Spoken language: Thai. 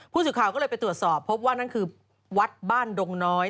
ผู้สื่อข่าวก็เลยไปตรวจสอบพบว่านั่นคือวัดบ้านดงน้อย